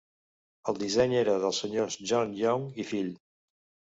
El disseny era dels senyors John Young i fill.